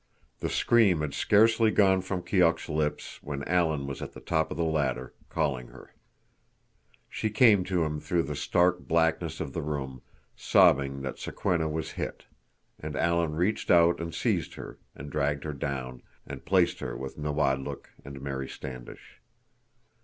The scream had scarcely gone from Keok's lips when Alan was at the top of the ladder, calling her. She came to him through the stark blackness of the room, sobbing that Sokwenna was hit; and Alan reached out and seized her, and dragged her down, and placed her with Nawadlook and Mary Standish.